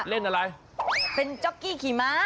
เล่นอะไรเป็นจ๊อกกี้ขี่ม้า